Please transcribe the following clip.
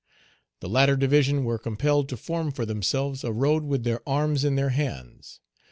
The latter division were compelled to form for themselves a road with their arms in their hands.